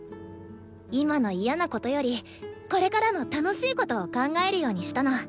今の嫌なことよりこれからの楽しいことを考えるようにしたの。